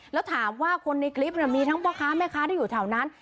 แล้วถามว่าคนในคลิปมีทั้งพ่อค้าแม่ค้าที่อยู่แถวนั้น